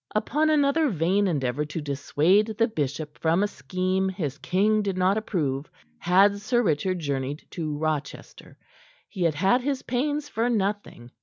Upon another vain endeavor to dissuade the bishop from a scheme his king did not approve had Sir Richard journeyed to Rochester. He had had his pains for nothing.